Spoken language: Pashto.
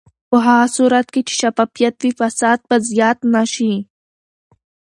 په هغه صورت کې چې شفافیت وي، فساد به زیات نه شي.